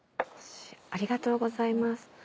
ありがとうございます。